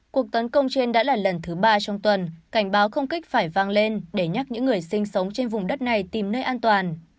cuộc tấn công trên đã là lần thứ ba trong tuần cảnh báo không kích phải vang lên để nhắc những người sinh sống trên vùng đất này tìm nơi an toàn